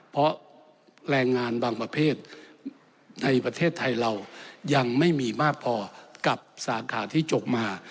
เพราะแรงงานบางประเภทในประเทศไทยเรายังไม่มีมากพอกับสาขาที่จบมา